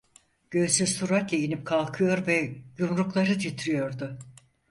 Göğsü süratle inip kalkıyor ve yumrukları titriyordu.